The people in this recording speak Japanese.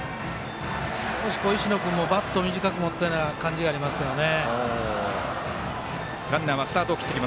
少し石野君もバットを短く持った感じがありますね。